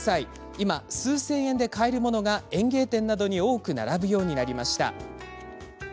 今、数千円で買えるものが園芸店などに多く並ぶようになりました。